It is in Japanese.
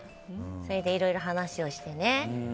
それでいろいろ話をしてね。